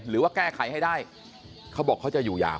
หรือว่าแก้ไขให้ได้เขาบอกเขาจะอยู่ยาว